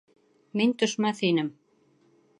Мин төшмәҫ инем.